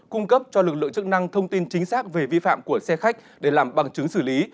cung cấp cho lực lượng chức năng thông tin chính xác về vi phạm của xe khách để làm bằng chứng xử lý